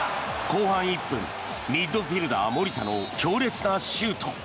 後半１分ミッドフィールダー守田の強烈なシュート。